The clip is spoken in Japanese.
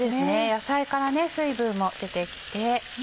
野菜から水分も出てきて。